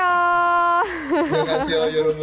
terima kasih ya